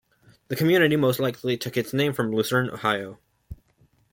The community most likely took its name from Lucerne, Ohio.